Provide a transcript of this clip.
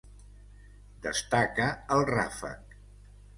Destaca el ràfec.